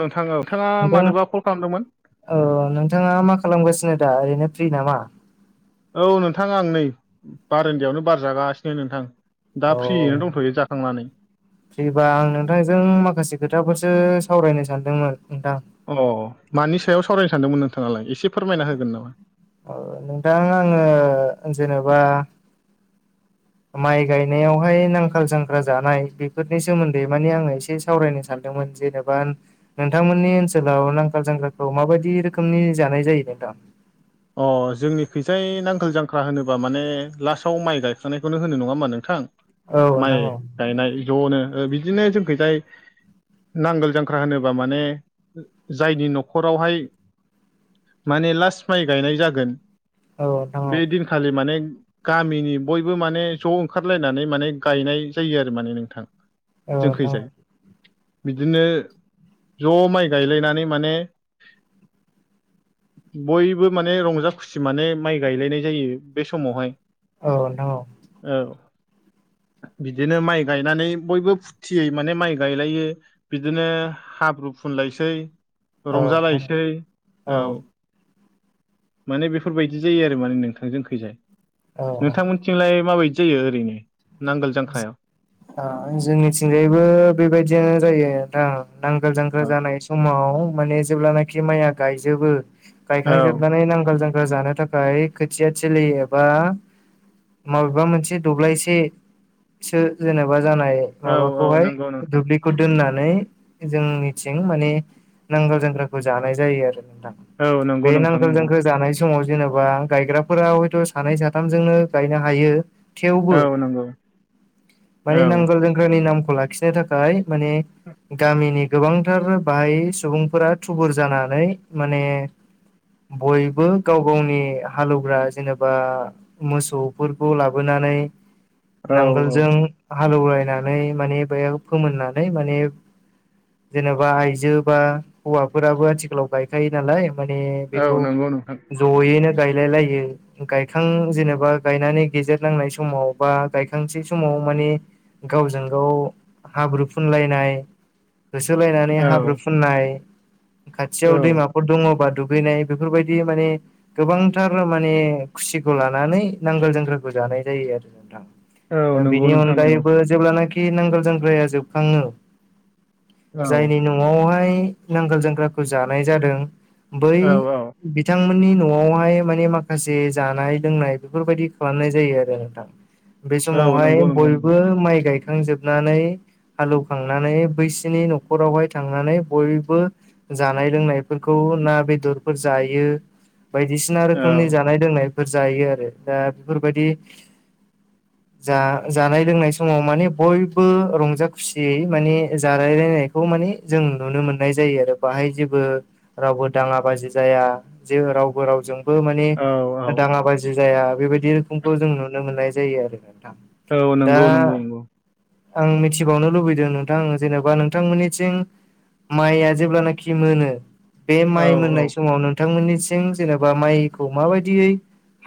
नोंथां औ नोंथाङा नोंथां मानोबा कल खालामदोंमोन? औ नोंथाङा मा खालामगासिनो दा ओरैनो फ्रि नामा? औ नोंथां आं नै बारन्दायावनो बार जागासिनो नोंथां। दा औ फ्रियैनो दंथ'यो जाखांनानै। फ्रिबा आं नोंथांजों माखासे खोथाफोरसो सावरायनो सानदोंमोन नोंथां। अ मानि सायाव सावरायनो सानदोंमोन नोंथाङालाय एसे फोरमायना होगोन नामा? औ नोंथां आङो जेनेबा [inaudible] माइ गायनायावहाय नांखाल जांख्रा जानाय बेफोरनि सोमोन्दै माने आङो एसे सावरायनो सानदोंमोन जेनेबा बा नोंथांमोननि ओनसोलाव नांगाल जांख्राखौ माबायदि रोखोमनि जानाय जायो नोंथां? अ जोंनि खैसाय नांगोल जांख्रा होनोबा माने लास्टआव माइ गायखांनायखौनो होनो नङा होम्बा नोंथां। औ नोंथां माइ औ गायनाय ज'नो ओ बिदिनो जोंखैजाय नांगोल जांख्रा होनोब्ला माने जायनि न'खरावहाय माने लास्ट माइ गायनाय जागोन औ नोंथां औ बे दिनखालि माने गामिनि बयबो माने ज' ओंखारलायनानै माने गायनाय जायो आरो माने नोंथां। औ नोंथां जोंखैजाय बिदिनो ज' माइ गायलायनानै माने बयबो माने रंजा खुसि माने माइ गायलायनाय जायो बे समावहाय। औ नोंथां औ। औ। बिदिनो माइ गायनानै बयबो फुरथियै माने माइ गायलायो। बिदिनो हाब्रु फुनलायसै औ नोंथां रंजालायसै औ। माने बेफोरबायदि जायो आरो माने नोंथां जोंखैजाय औ नोंथांमोन थिंलाय माबायदि जायो ओरैनो नांगोल जांख्रायाव? दा जोंनिथिंजायबो बेबायदियानो जायो दा नांगोल जांख्रा औ जानाय समाव माने जेब्लानाखि माइया गायजोबो गायखांजोबनानै नांगोल जां जानो थाखाय खोथियाथिलि एबा माबेबा मोनसे दब्लायसे सो जेनेबा जानाय औ औ माबाखौहाय नंगौ नोंथां दुल्बि खौ दोननानै जोंनिथिं माने नांगोल जांख्राखौ जानाय जायो आरो नोंथां। औ नंगौ बे नोंथां नांगोल नंगौ जांख्रा जानाय समाव जेनेबा गायग्राफोरा हयथ' सानै साथामजोंनो गायनो हायो। थेवबो औ नंगौ। औ माने नांगोल जांख्रानि नामखौ लाखिनो थाखाय माने गामिनि गोबांथार बाहाय सुबुंफोरा थुबुर जानानै माने बयबो गाव गावनि हालेवग्रा जेनेबा मोसौफोरखौ लाबोनानै औ औ नांगोलजों हालेवलायनानै माने बेयाव फोमोननानै माने जेनेबा आइजो बा हौवाफोराबो आथिखालाव गायखायो नालाय माने औ बेखौ नंगौ नोंथां ज'यैनो गायलाय लायो गायखां जेनेबा गायनानै गेजेर नांनाय समाव बा गायखांसै समाव मानि गावजों गाव हाब्रु फुनलायनाय होसोलायनानै हाब्रु औ फुननाय खाथियाव औ दैमा फोर दङबा दुगैनाय बेफोरबायदि माने गोबांथार माने खुसिखौ लानानै नांगोल जांख्राखौ जानाय जायो आरो औ नोंथां। नंगौ बिनि नोंथां नंगौ अनगायैबो जेब्लानाखि नांगोल जांगख्राया जोबखाङो औ जायनि न' न'आवहाय नांगोल जांख्राखौ जानाय जादों बै औ औ बिथांमोननि न'आवहाय माने माखासे जानाय लोंनाय बेफोरबायाददि खालामनाय जायो आरो नोंथां। बे औ समावहाय नंगौ नंगौ नंगौ बयबो माइ गायखांजोबनानै हालौवखांनानै बैसिनि न'खरावहाय थांनानै बयबो जानाय लोंनायफोरखौ ना बेदरफोर जायो बायदिसिन सिना औ रोखोमनि जानाय लोंनायफोर जायो दा बेफोरबायदि जा जानाय लोंनाय समाव माने बयबो रंजा खुसियै माने जालायलायनाय बेखौ माने जों नुनो मोननाय जायो आरो बाहाय जेबो रावबो दाङा बाजि जाया जे रावबो रावजों बो माने औ औ दाङा बाजि जाया बेबायदि रोखोमखौ जों नुनो मोननाय जायो आरो नोंथां। औ दा नंगौ नंगौ नंगौ आं मिथिबावनो लुबैदों नोंथां जेनेबा नोंथांमोननिथिं माइआ जेब्लानाखि मोनो बे औ माइ औ मोननाय समाव नों नोंथांमोननिसिं जेनेबा माइखौ माबायदियै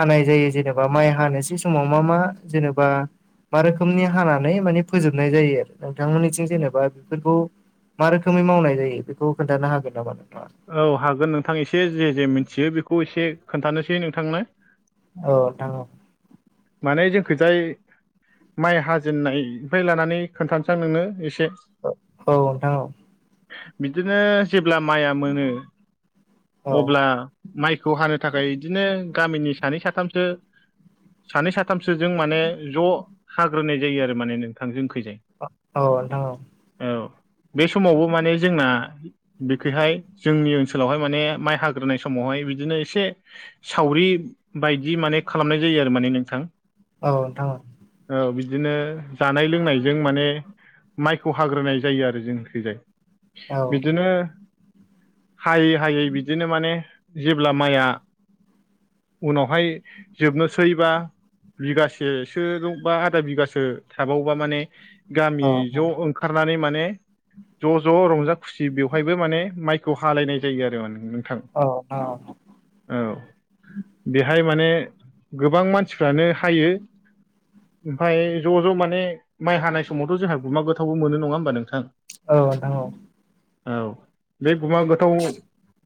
हानाय जायो जेनेबा माइ हानोसै समाव मा मा जेनेबा मा रोखोमनि हानानै माने फोजोबनाय जायो आरो नोंथांमोननिथिं जेनेबा बेफोरखौ मा रोखोमै मावनाय जायो बेखौ खोन्थानो हागोन नामा नोंथाङा? औ हागोन नोंथां एसे जे जे मिथियो बेखौ एसे खोन्थानोसै नोंथांनो। औ थां औ। माने जोंखैजाय माइ हाजेननायनिनायनिफ्राय लानानै खोन्थानोसां नोंनो एसे। औ नोंथां औ। बिदिनो जेब्ला माइया मोनो अब्ला माइखौ हानो थाखाय इदिनो गामिनि सानै साथामसो सानै साथामसोजों माने ज' हाग्रोनाय जायो आरो माने नोंथां जोंखैजाय। औ नोंथां औ। औ बे समावबो माने जोंना बेखैहाय जोंनि ओनसोलावहाय माने माइ हाग्रोनाय समावहाय बिदिनो एसे सावरि बायदि माने खालामनाय जायो आरो माने नोंथां। औ नोंथां औ। औ बिदिनो जानाय लोंनायजों माने माइखौ हाग्रोनाय जायो आरो जोंखैजाय। औ बिदिनो हायै हायै बिदिनो माने जेब्ला माइया उनावहाय जोबनोसैबा, बिगासेसो बा आधा बिगासो थाबावबा माने औ गामि नोंथां औ नोंथां औ ज' ओं खारनानै माने ज' ज' रंजा खुसि बेवहायबो माने माइखौ हालायनाय जायो आरो माने नोंथां, औ औ औ बेहाय माने गोबां मानसिफ्रानो हायो ओमफ्राय ज' ज' माने माइ हानाय समावथ' जोंहा गुमा गोथावबो मोनो नङा होमबा नोंथां? औ नोंथां औ। औ बे गुमा गोथाव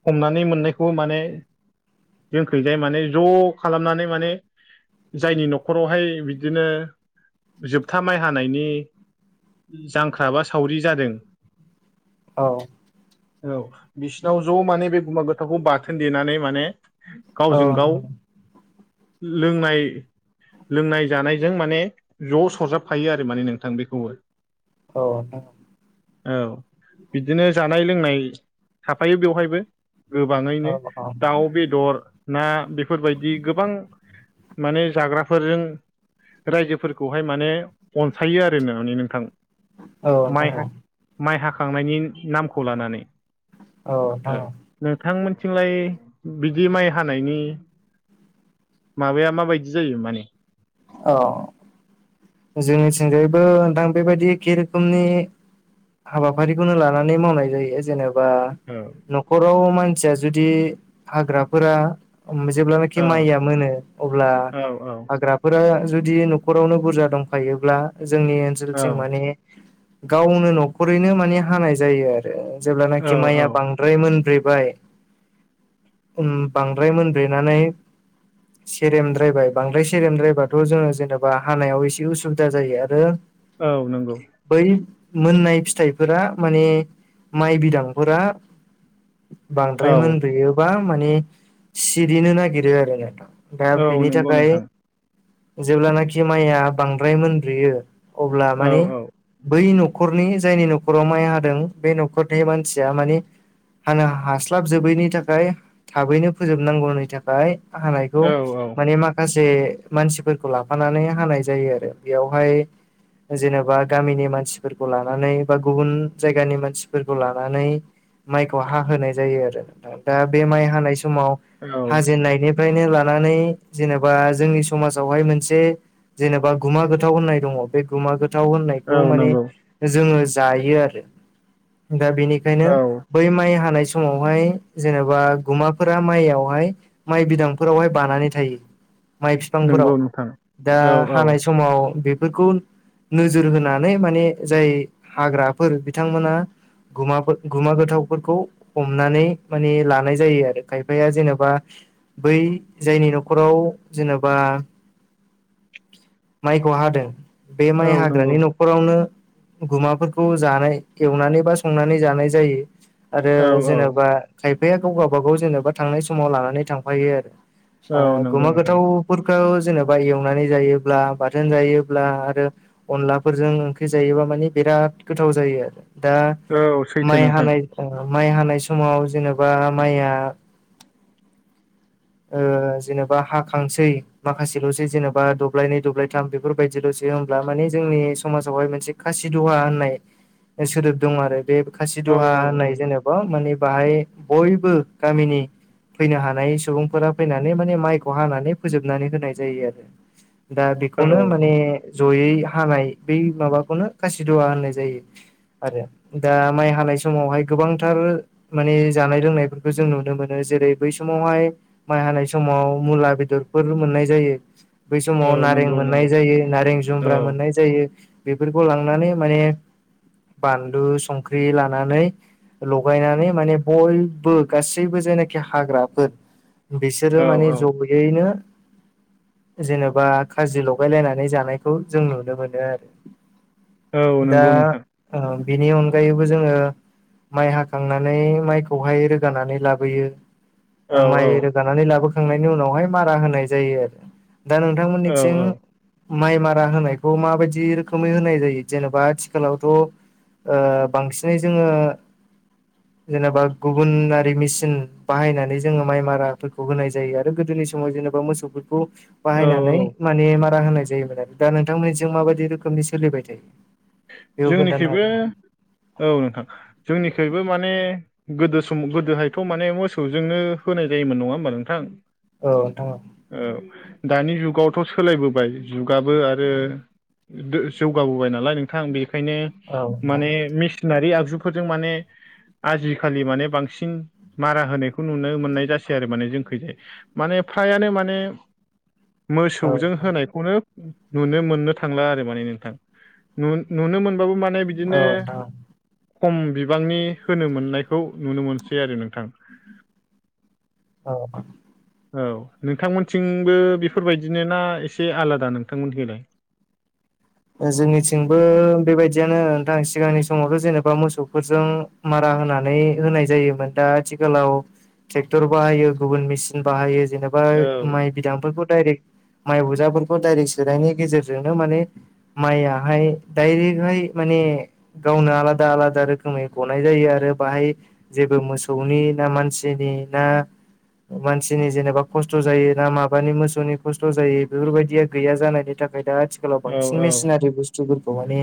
हमनानै मोननायखौबो माने जोंखैजाय माने ज' खालामनानै माने जायनि न'खरावहाय बिदिनो जोबथा माइ हानायनि जांख्राबा सावरि जादों। औ औ बिसिनाव ज' माने बे गुमा गोथावखौ बाथोन देनानै माने, गावजों गाव लोंनाय लोंनाय जानायजों माने ज' सरजाबफायो आरो माने नोंथां बेखौबो औ नोंथां औ। औ बिदिनो जानाय लोंनाय थाफायो बेवहायबो। गोबाङैनो दाउ बेदर ना बेफोरबायदि गोबां। माने जाग्राफोरजों रायजोफोरखौहाय माने अनसायो आरो ना माने नोंथां। माइ औ हा हाखांनायनि नामखौ लानानै। औ। नोंथांमोनथिंलाय बिदि माइ हानायनि माबाया मा बायदि जायो माने। औ। जोंनि थिंजायबो नोंथां बेबायदि एखे रोखोमनि। हाबाफारिखौनो लानानै मावनाय जायो जेनेबा। औ। न'खराव मानसिया जुदि हाग्राफोरा। जेब्लानाखि औ माइया मोनो अब्ला औ हाग्राफोरा जुदि न'खरावनो बुरजा। दंफायोब्ला जोंनि ओनसोलथिं औ माने। गावनो न'खरैनो माने हानाय जायो आरो औ जेब्लानाखि औ माइया बां द्राय मोनब्रेबाय उम बांद्राय मोनब्रेनानै। सेरेमद्रायबाय बांद्राय सेरेमद्रायबाथ' जोङो जेनेबा हानायाव एसे। उसुबिदा जायो आरो। औ नंगौ। बै मोननाय फिथाइफोरा माने माइ बिदांफोरा। बांद्राय औ मोनब्रेयोबा माने सिरिनो नागिरो आरो नोथां। दा औ बिनि नंगौ थाखाय। नोंथां जेब्लानाखि माइया बांद्राय मोनब्रोयो अब्ला औ माने। बै न'खरनि जायनि न'खराव माइ हादों बे न'खर नि मानसिया माने। हानो हास्लाबजोबैनि थाखाय थाबैनो फोजोबनांगौनि थाखाय। हानायखौ औ औ माने माखासे मानसिफोरखौ लाफानानै हानाय जायो आरो बेयावहाय। जेनेबा गामिनि मानसिफोरखौ लानानै बा गुबुन जायगानि मानसिफोरखौ लानानै माइखौ हा होनाय जायो आरो नोंथां दा बे माइ हानाय समाव औ हाजेननायनि। फ्रायनो लानानै जेनेबा जोंनि समाजावहाय मोनसे। जेनेबा गुमा गोथाव होननाय दङ बे गुमा गोथाव होननायखौ औ माने। नंगौ जोङो जायो आरो दा बेनिखायनो। औ बै माइ हानाय समावहाय जेनेबा गुमाफोरा माइयावहाय। माइ बिदांफोरावहाय बानानै थायो माइ नंगौ फिफांफोराव नोंथां दा। औ औ हानाय समाव बेफोरखौ। नोजोर होनानै माने जाय हाग्राफोर बिथांमोना। गुमाफोर गुमा गोथावफोरखौ हमनानै माने लानाय जायो आरो खायफाया जेनेबा। बै जायनि न'खराव जेनेबा। माइखौ हादों बे औ माइ नंगौ हाग्रानि न' नखरावनो गुमाफोरखौ जानाय एवनानै बा संनानै जानाय जायो। आरो औ औ जेनेबा खायफायाखौ गावबागाव जेनेबा थांनाय समाव लानानै थांफायो आरो। ओ औ नंगौ गुमा नोंथां गोथावफोरखौ जेनेबा एवनानै जायोब्ला बाथोन जायोब्ला आरो अनलाफोरजों ओंख्रि जायोबा माने बिराद गोथाव जायो आरो। दा औ सैथो माइ नोंथां हानाय माइ हानाय समाव जेनेबा माइआ ओ जेनेबा हाखांसै माखासेल'सै जेनेबा दब्लायनै दब्लायथाम बे फोरबायदिल'सै होमब्ला माने जोंनि समाजावहाय मोनसे खासि दहा होननाय सोदोब दं आरो बे खासि औ दहा होननाय जेने बा बाहाय बयबो गामिनि फैनो हानाय सुबुं फोरा फैनानै माने माइखौ हानानै फोजोबनानै होनाय जायो आरो दा औ बेखौनो औ माने ज'यै हानाय बै माबाखौनो खासिदवा होननाय जायो। आरो दा माइ हानाय समावहाय गोबांथार माने जानाय लोंनायफोरखौ जों नुनो मोनो जेरै बै समावहाय माइ हानाय समाव मुला बेदरफोर मोननाय जायो। बै समाव औ नारें नंगौ मोननाय नंगौ जायो नारें औ जुम्ब्रा मोननाय जायो बेफोरखौ लांनानै माने बानलु संख्रि लानानै ल'गायनानै माने बयबो गासैबो जायनाखि हाग्राफोर बिसोरो औ माने औ ज'बैनो जेनेबा खाजि लगाय लायनानै जानायखौ जों नुनो मोनो आरो। औ दा नंगौ नोंथां बेनि अनगायैबो जोंङो माइ हाखांनानै माइखौहाय रोगानानै लाबोयो औ माइ रोगानानै लाबोखांनायनि उनावहाय मारा होनाय जायो आरो दा नों थां औ मोनथिं माइ मारा होनायखौ माबायदि रोखोमै होनाय जायो जेनेबा आथिखालावथ' ओ बांसिनै जोंङो जेनेबा गुबुनारि मेसिन बाहायनानै जोंङो माइ मारा फोरखौ होनाय जायो आरो गोदोनि समाव जेनेबा मोसौफोरखौ औ बाहायनानै औ माने मारा होनाय जायोमोन आरो दा नोंथांमोनथिं माबायदि रोखोमनि सोलिबाय थायो। बेखौ खोन्थानो जोंनिखोयबो हागोन औ नोंथां जोंनिखोयबो माने गोदो सम गोदोहायथ' माने मोसौजोंनो होनाय जायोमोन नङा होमबा नोंथां। औ नोंथां औ औ दानि जुगावथ' सोलायबोबाय जुगाबो आरो दो जौगाबोबाय नालाय नोंथां बेखायनो औ नोंथां माने मेसि नारि आगजुफोरजों माने आजिखालि माने बांसिन मारा होनायखौ नुनो मोननाय जासै आरो माने जोंखैजाय। माने फ्रायानो माने औ मोसौजों होनायखौनो नुनो मोननो थांला आरो माने नोंथां। नु-नुनो मोनबाबो माने बिदिनो नोंथां खम बिबांनि होनो मोननायखौ नुनो मोनसै आरो नोंथां। [inaudible] औ औ नोंथांमोनथिंबो बेफोरबायदिनो ना एसे आलादा नोंथांमोन थिंलाय। जोंनिथिंबो बेबायदियानो नोंथां सिगांनि समावथ' जेनेबा मोसौफोरजों मारा होनानै होनाय जायोमोन दा आथिखालाव ट्रेक्टर बाहायो गुबुन मेचिन बाहायो जेन' बा औ माइ बिदांफोरखौ दाइरेक माइ, बजाफोरखौ डायरेक्ट सोनायनि गेजेरजोंनो माने माइआहाय दडाइरेकहाय माने गावनो आलादा-आलादा रोखोमै गनाय जायो आरो बाहाय जेबो मोसौनि ना मानसिनि ना मानसिनि जेनेबा खस्थ' जायो ना माबानि मोसौनि खस्थ' जायो बेफोरबायदिया गैया जानायनि थाखायनो आथिखालाव औ बांसिन नारि बुस्थुफोरखौ माने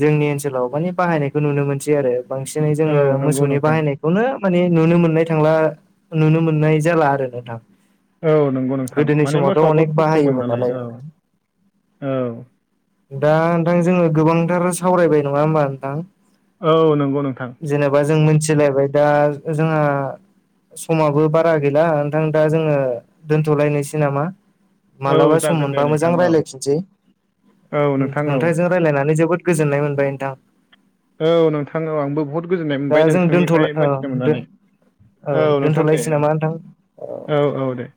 जोंनि ओनसोलाव माने बाहायनायखौ नुनो मोनसै आरो। बांसिनै औ जोंङो नंगौ मोसौनि नोंथां बाहायनाय खौनो माने नुनो मोननाय थांला नुनो मोननाय जाला आरो नोंथां। औ नंगौ नोंथां। गोदोनि माने समावथ' मोसौआबो अनेक खस्थ'मोन बाहायोमोन नालाय औ औ। दा नोंथां जोंङो गोबांथार सावरायबाय नंङा होमबा नोंथां? औ नंगौ नोंथां। जेनेबा जों मिथिलायबाय दा जोंहा समाबो बारा गैला नोंथां दा जोङो दोनथ'लायनोसै नामा? औ मालाबा सम जागोन दे मोनबा मोजां नोंथां औ रायलायफिनसै। औ नोंथां औ नोंथांजों रायलायनानै जोबोद गोजोननाय मोनबाय नोंथां। औ नोंथां औ आंबो बहुत गोजोननाय दा मोनबाय जों दोनथ' नोंथांनिफ्राय मोन्थिनो मोननानै। औ नोंथां दे दोनथ'लायसै औ नामा नोंथां औ औ दे।